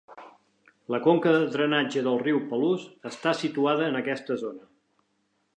La conca de drenatge del riu Palouse està situada en aquesta zona.